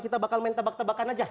kita bakal main tebak tebakan aja